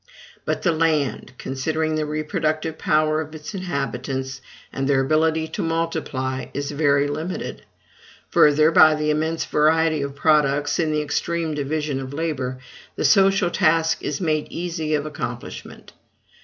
But the land, considering the productive power of its inhabitants and their ability to multiply, is very limited; further, by the immense variety of products and the extreme division of labor, the social task is made easy of accomplishment.